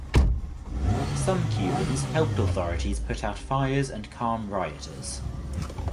Some Cubans helped authorities put out fires and calm rioters.